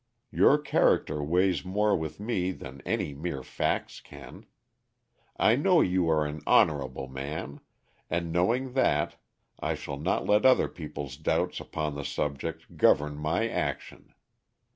Your character weighs more with me than any mere facts can. I know you are an honorable man, and knowing that I shall not let other people's doubts upon the subject govern my action.